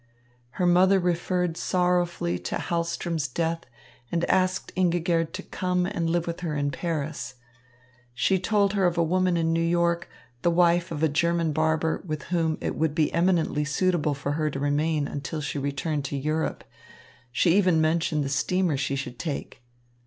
Her mother referred sorrowfully to Hahlström's death, and asked Ingigerd to come and live with her in Paris. She told her of a woman in New York, the wife of a German barber, with whom it would be eminently suitable for her to remain until she returned to Europe. She even mentioned the steamer she should take.